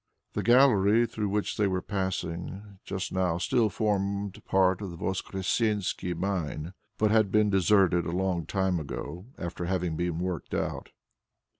The gallery through which they were passing just now still formed part of the Voskressensky mine, but it had been deserted for a long time, after having been worked out.